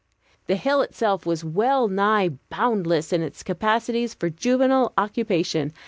The hill itself was well nigh boundless in its capacities for juvenile occupation.